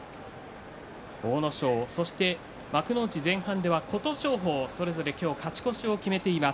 阿武咲、そして幕内前半では琴勝峰それぞれ今日勝ち越しを決めています